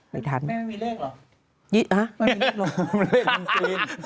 ไม่มีเลขหรอ